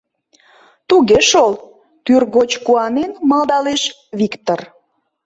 — Туге шол! — тӱргоч куанен малдалеш Виктыр.